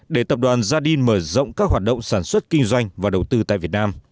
để tập đoàn gia đình mở rộng các hoạt động sản xuất kinh doanh và đầu tư tại việt nam